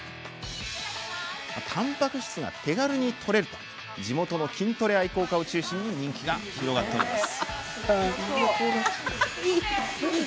たんぱく質が手軽にとれると地元の筋トレ愛好家を中心に人気が広がっています。